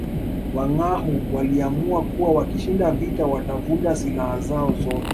Wangâhoo waliamua kuwa wakishinda vita watavunja silaha zao zote